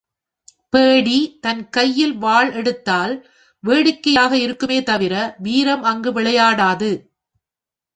பேடி தன் கையில் வாள் எடுத்தால் வேடிக்கையாக இருக்குமே தவிர வீரம் அங்கு விளையாடாது.